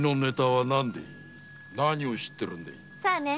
何を知ってるんだ？さね。